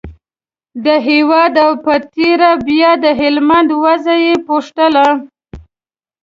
د هېواد او په تېره بیا د هلمند وضعه یې پوښتله.